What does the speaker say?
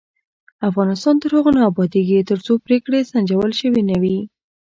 افغانستان تر هغو نه ابادیږي، ترڅو پریکړې سنجول شوې نه وي.